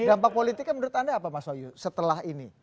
dampak politiknya menurut anda apa mas wahyu setelah ini